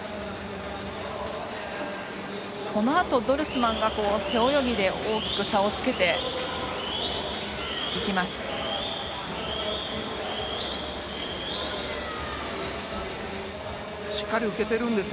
このあとドルスマンが背泳ぎで大きく差をつけていきます。